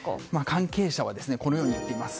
関係者はこのように言っています。